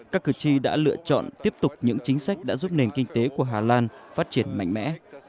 các cử tri đã lựa chọn tiếp tục những chính sách đã giúp nền kinh tế của hà lan phát triển mạnh mẽ